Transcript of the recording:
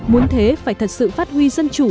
muốn thế phải thật sự phát huy dân chủ